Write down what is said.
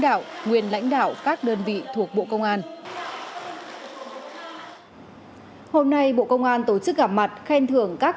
đạo nguyên lãnh đạo các đơn vị thuộc bộ công an hôm nay bộ công an tổ chức gặp mặt khen thưởng các